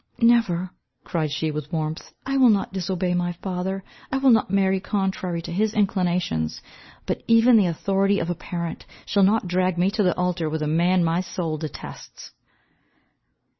"Never," cried she with warmth. "I will not disobey my father. I will not marry contrary to his inclinations. But even the authority of a parent shall not drag me to the altar with a man my soul detests."